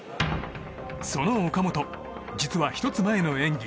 その岡本、実は１つ前の演技